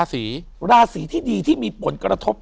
อยู่ที่แม่ศรีวิรัยิลครับ